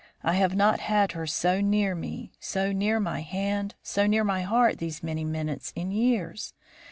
I have not had her so near me, so near my hand, so near my heart, these many minutes in years.